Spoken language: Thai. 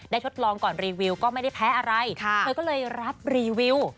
ทดลองก่อนรีวิวก็ไม่ได้แพ้อะไรเธอก็เลยรับรีวิว